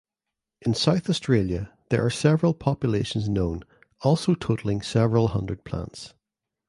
In South Australia there are several populations known also totalling several hundred plants.